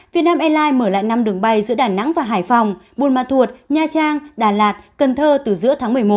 vietnam airlines mở lại năm đường bay giữa đà nẵng và hải phòng bùn mà thuột nha trang đà lạt cần thơ từ giữa tháng một mươi một